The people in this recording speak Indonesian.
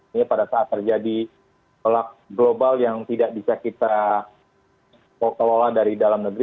ini pada saat terjadi tolak global yang tidak bisa kita kelola dari dalam negeri